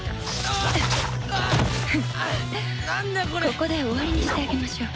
ここで終わりにしてあげましょうか。